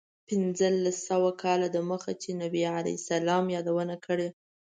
پنځلس سوه کاله دمخه چې نبي علیه السلام یادونه کړې.